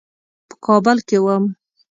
په کابل کې وم.